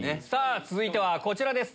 続いてはこちらです。